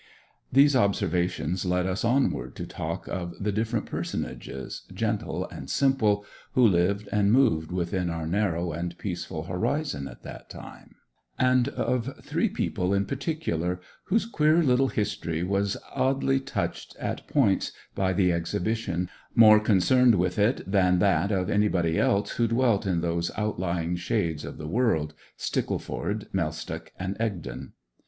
These observations led us onward to talk of the different personages, gentle and simple, who lived and moved within our narrow and peaceful horizon at that time; and of three people in particular, whose queer little history was oddly touched at points by the Exhibition, more concerned with it than that of anybody else who dwelt in those outlying shades of the world, Stickleford, Mellstock, and Egdon.